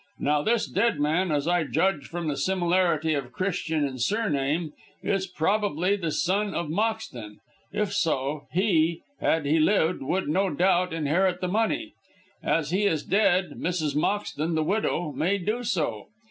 Now this dead man, as I judge from the similarity of Christian and surname, is probably the son of Moxton. If so, he, had he lived, would, no doubt, inherit the money. As he is dead, Mrs. Moxton, the widow, may do so.